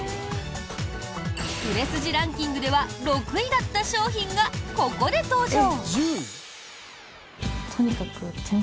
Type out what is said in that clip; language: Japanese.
売れ筋ランキングでは６位だった商品がここで登場！